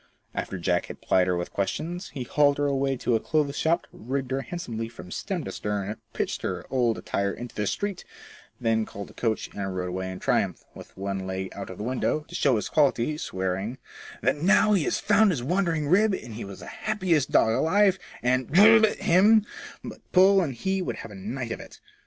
After Jack had plied her with questions, he hauled her away to a clothes shop, rigged her handsomely from stem to stern, pitching her old attire into the street, then called a coach and rode away in triumph, with one leg out of the window, to show his quality, swearing "that, now he had found his wandering rib, he was the happiest dog alive, and d him, but Poll and he would have a night of it."